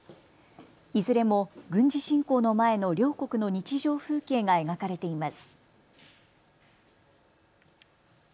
いずれも軍事侵攻の前の両国の日常風景が描かれています。